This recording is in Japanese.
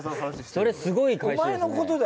それすごい返しですね。